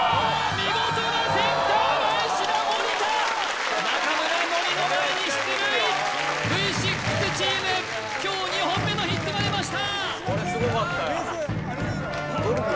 見事なセンター返しだ森田中村ノリの前に出塁Ｖ６チーム今日２本目のヒットが出ました